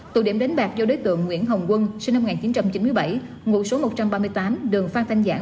tại nhà số một trăm năm mươi bảy ngụ số một trăm ba mươi tám đường phan thanh giãn